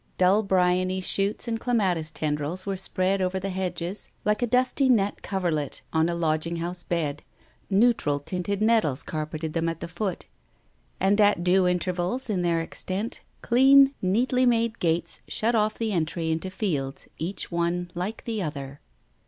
Dull bryony shoots and clematis tendrils were spread over the hedges, like a dusty net coverlet on a lodging house bed, neutral tinted nettles carpeted them at the foot, and at due intervals in their extent, clean, neatly made gates shut off the entry into fields each one like the other.